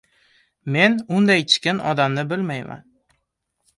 — Men undaychikin odamni bilmayman…